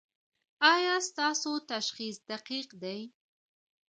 ایا ستاسو تشخیص دقیق دی؟